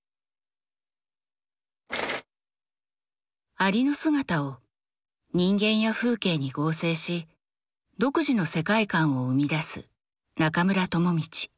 蟻の姿を人間や風景に合成し独自の世界観を生み出す中村智道。